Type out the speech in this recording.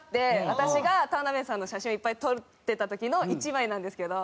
私が田辺さんの写真をいっぱい撮ってた時の１枚なんですけど。